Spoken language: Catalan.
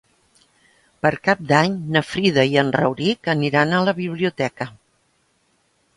Per Cap d'Any na Frida i en Rauric aniran a la biblioteca.